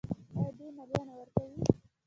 آیا دوی مالیه نه ورکوي؟